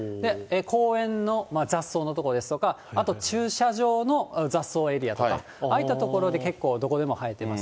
公園の雑草のとこですとか、あと駐車場の雑草エリアとか、ああいった所で結構、どこでも生えてます。